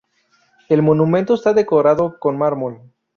El monumento está decorado con mármol.